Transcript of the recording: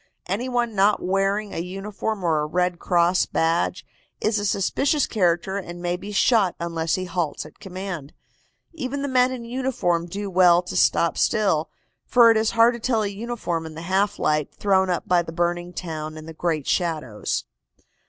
Any one not wearing a uniform or a Red Cross badge is a suspicious character and may be shot unless he halts at command. Even the men in uniform do well to stop still, for it is hard to tell a uniform in the half light thrown up by the burning town and the great shadows.